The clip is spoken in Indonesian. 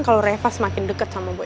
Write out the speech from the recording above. kalo reva semakin deket sama boy